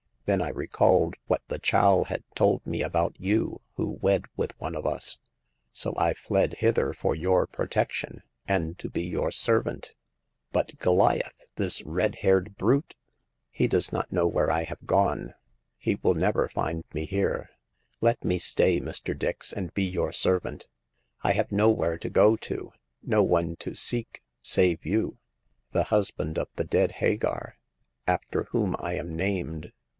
Then I recalled what the chal had told me about you who wed with one of us ; so I fled hither for your protec tion, and to be your servant." '* But Goliath— this red haired brute ?"" He does not know where I have gone ; he will never find me here. Let me stay, Mr. Dix, and be your servant. I have nowhere to go to, no one to seek, save you, the husband of the dead Hagar, after whom I am named.